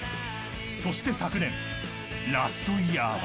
そして昨年、ラストイヤーは。